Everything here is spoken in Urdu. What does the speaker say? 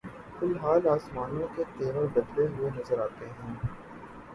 فی الحال آسمانوں کے تیور بدلے ہوئے نظر آتے ہیں۔